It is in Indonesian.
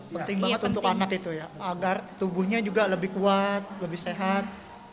penting banget untuk anak itu ya agar tubuhnya juga lebih kuat lebih sehat